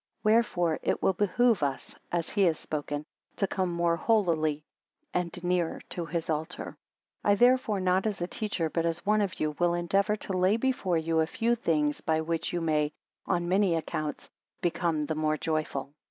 9 Wherefore, it will behove us, as he has spoken, to come more holily, and nearer to his altar. 10 I therefore, not as a teacher but as one of you, will endeavour to lay before you a few things by which you may, on many accounts, become the more joyful.